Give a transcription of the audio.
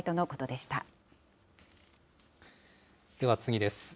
では次です。